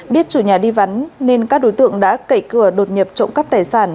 biết chủ nhà đi vắn nên các đối tượng đã cậy cửa đột nhập trộm cắp tài sản